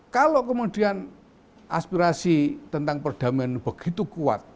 kalau kemudian aspirasi tentang perdamaian begitu kuat